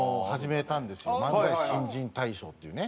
漫才新人大賞っていうね。